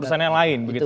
urusannya lain begitu ya